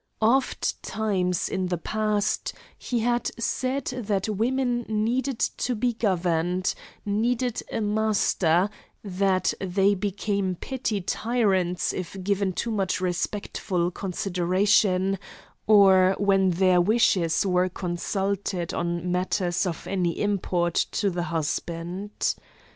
Ofttimes in the past he had said that women needed to be governed; needed a master; that they became petty tyrants if given too much respectful consideration, or when their wishes were consulted on matters of any import to the husband.